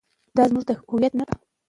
دا زموږ د هویت نښه ده.